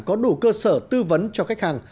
có đủ cơ sở tư vấn cho khách hàng